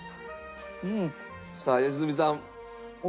さあ良純さん。